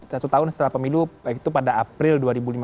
satu tahun setelah pemilu yaitu pada april dua ribu lima belas